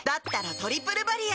「トリプルバリア」